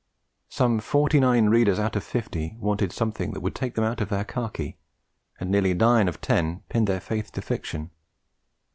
Some forty nine readers out of fifty wanted something that would take them out of khaki, and nearly nine out of ten pinned their faith to fiction.